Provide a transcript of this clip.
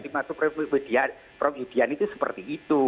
dimaksud prof idian itu seperti itu